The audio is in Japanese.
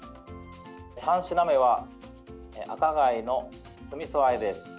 ３品目は赤貝の酢みそあえです。